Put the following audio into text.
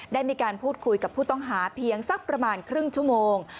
ได้มีการพูดคุยกับผู้ต้องหาเพียงสักประมาณครึ่งชั่วโมง